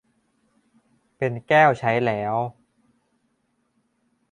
เป็นแก้วใช้แล้ว